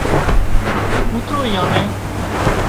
ڪوترو ايئان نين